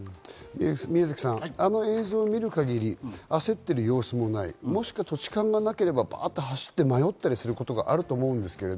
宮崎さん、あの映像を見る限り、焦っている様子もない、もしくは土地勘がなければ走って迷ったりすることがあると思うんですけど。